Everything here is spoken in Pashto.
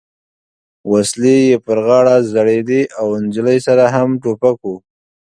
وسلې یې پر غاړه ځړېدې او نجلۍ سره هم ټوپک و.